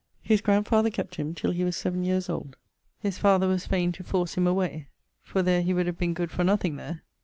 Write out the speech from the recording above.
His grandfather kept him till he was 7 years old: his father was faine to force him away, for there he would have been good for nothing there.